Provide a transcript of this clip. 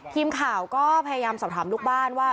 ทีมข่าวก็พยายามสอบถามลูกบ้านว่า